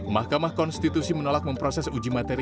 mahkamah konstitusi menolak memproses uji materi